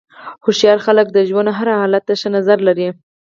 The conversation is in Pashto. هوښیار خلک د ژوند هر حالت ته ښه نظر لري.